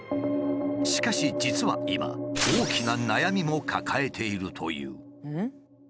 しかし実は今大きな悩みも抱えているという。